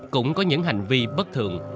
cũng có những hành vi bất thường